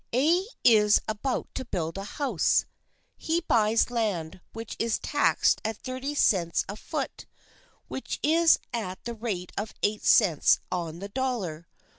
" A is about to build a house. He buys land which is taxed at thirty cents a foot, which is at the rate of eight cents on the dollar.